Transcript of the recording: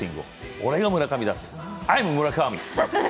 俺が村上だと、アイム村上！